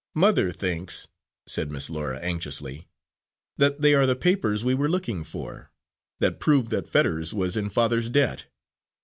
"Mother thinks," said Miss Laura anxiously, "that they are the papers we were looking for, that prove that Fetters was in father's debt."